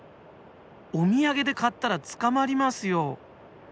お土産で買ったら捕まりますよ！